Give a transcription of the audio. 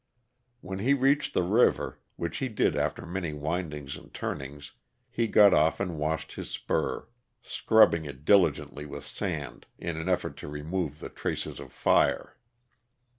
When he reached the river which he did after many windings and turnings he got off and washed his spur, scrubbing it diligently with sand in an effort to remove the traces of fire.